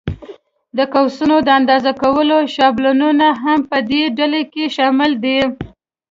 د قوسونو د اندازې کولو شابلونونه هم په دې ډله کې شامل دي.